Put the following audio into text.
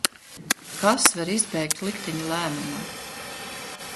Kas var izbēgt likteņa lēmumam?